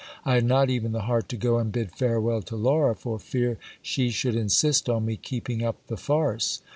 I had not even the heart to go and bid farewell to Laura, for fear she should insist on me keeping up the farce.